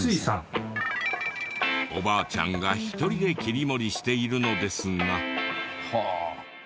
おばあちゃんが１人で切り盛りしているのですが。